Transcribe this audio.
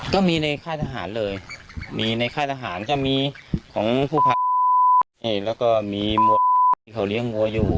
ก็มีในค่ายทหารเลยมีในค่ายทหารก็มีของผู้พักแล้วก็มีมัวที่เขาเลี้ยงวัวอยู่